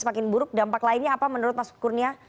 semakin buruk dampak lainnya apa menurut mas kurnia